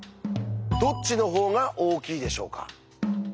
どっちの方が大きいでしょうか？